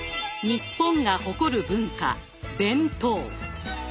日本が誇る文化弁当。